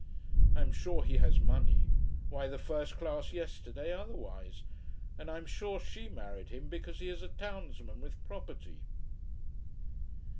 I am sure he has money: why the first class, yesterday, otherwise. And I'm sure she married him because he is a townsman with property.